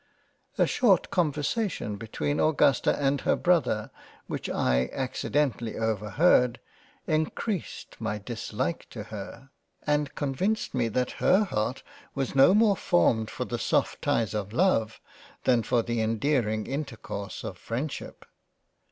A short Conversation between Augusta and her Brother, which I accidentally overheard encreased my dislike to her, and convinced me that her Heart was no more formed for the soft ties of Love than for the endearing intercourse Freindship.